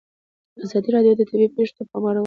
ازادي راډیو د طبیعي پېښې ته پام اړولی.